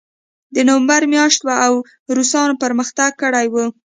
د نومبر میاشت وه او روسانو پرمختګ کړی و